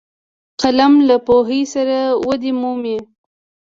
قلم له پوهې سره ودې مومي